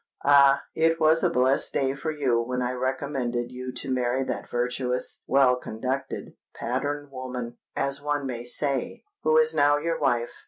Ah! it was a blessed day for you when I recommended you to marry that virtuous—well conducted—pattern woman, as one may say, who is now your wife.